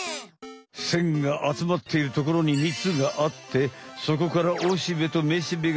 線があつまっているところにみつがあってそこからおしべとめしべがはえているべ。